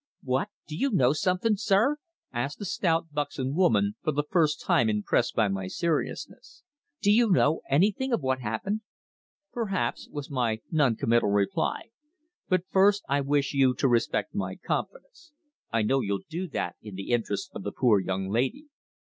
"What do you know something, sir?" asked the stout buxom woman, for the first time impressed by my seriousness. "Do you know anything of what happened?" "Perhaps," was my non committal reply. "But first, I wish you to respect my confidence. I know you'll do that in the interests of the poor young lady."